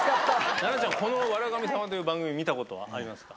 菜奈ちゃん『笑神様』という番組見たことはありますか？